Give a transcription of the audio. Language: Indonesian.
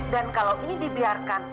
dan kalau ini dibiarkan